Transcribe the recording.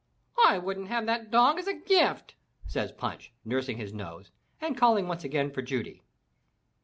"I wouldn't have that dog as a gift," says Punch, nursing his nose and calling once again for Judy.